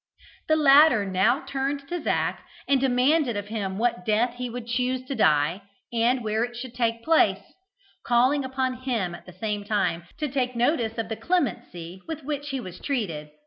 The latter now turned to Zac and demanded of him what death he would choose to die, and where it should take place; calling upon him, at the same time, to take notice of the clemency with which he was treated.